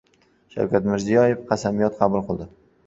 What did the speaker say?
Shavkat Mirziyoyev qasamyod qabul qildi